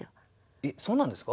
えっそうなんですか？